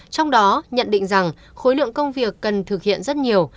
trong đó nhận định rằng khối lượng công việc cần thực hiện rất nhiều